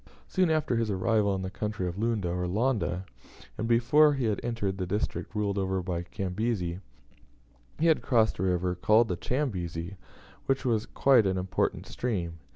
Soon after his arrival in the country of Lunda, or Londa, and before he had entered the district ruled over by Cazembe, he had crossed a river called the Chambezi, which was quite an important stream.